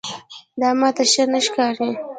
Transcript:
دا ماته ښه نه ښکاري.